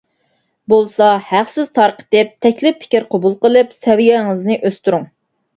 بولسا ھەقسىز تارقىتىپ تەكلىپ-پىكىر قوبۇل قىلىپ سەۋىيەڭىزنى ئۆستۈرۈڭ.